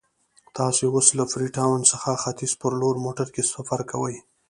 تاسو اوس له فري ټاون څخه ختیځ په لور په موټر کې سفر کوئ.